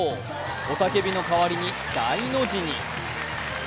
雄たけびの代わりに大の字に。